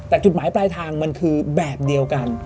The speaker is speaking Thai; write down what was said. แต่จุดหมายปลายทางมันคือแบบเดียวกัน